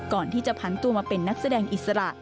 ก่อนที่จะพันตัวมาเป็นนักแสดงอิสระ